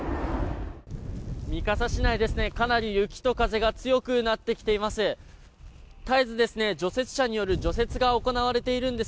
三笠市内、かなり雪と風が強くなってきています。